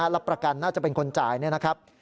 รับประกันน่าจะเป็นคนจ่ายเนี่ยนะครับ